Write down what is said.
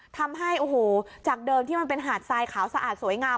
ทำให้โอ้โหจากเดิมที่มันเป็นหาดทรายขาวสะอาดสวยงาม